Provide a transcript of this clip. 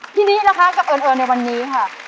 พี่นี่นะคะกับเอิญเอิญในวันนี้ค่ะ